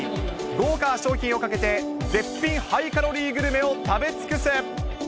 豪華賞品をかけて、絶品ハイカロリーグルメを食べ尽くす。